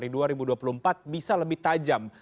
di dua ribu dua puluh empat bisa lebih tajam